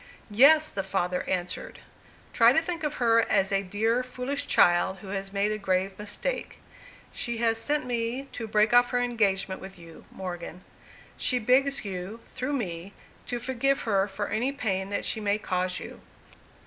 "Yes," the father answered. "Try to think of her as a dear, foolish child who has made a grave mistake. She has sent me to break off her engagement with you, Morgan. She begs you, through me, to forgive her for any pain that she may cause you.